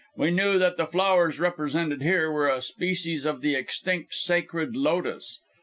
We knew that the flowers represented here, were a species of the extinct sacred Lotus.